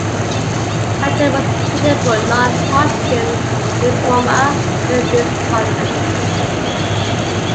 Patten was treated for non-Hodgkin's lymphoma during this parliament.